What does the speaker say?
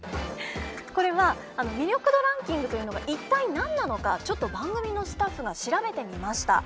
これは魅力度ランキングというのが一体何なのかちょっと番組のスタッフが調べてみました。